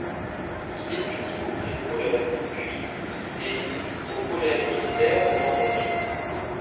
Il étudie au Krigsskolen puis et au collège militaire de Norvège.